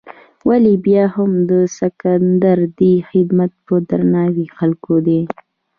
ولې بیا هم د سکندر دې خدمت په درناوي خلکو دی.